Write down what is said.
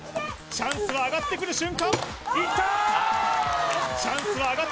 チャンスは上がってくる瞬間いった！